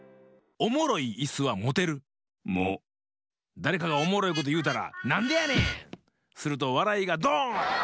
だれかがおもろいこというたら「なんでやねん！」。するとわらいがドーン！